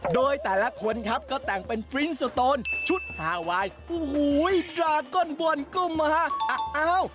โดยแต่ละคนครับก็แต่งเป็นฟริ้งสโตนชุดฮาไวน์โอ้โหตราก้นบนก็มาอ้าว